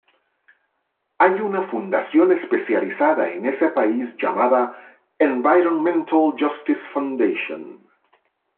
Hay una fundación especializada en ese país llamada "Environmental Justice Foundation".